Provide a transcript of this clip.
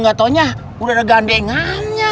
gak taunya udah ada gandengannya